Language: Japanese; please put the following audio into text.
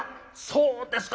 そうですか。